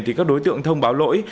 thì các đối tượng thông báo lỗi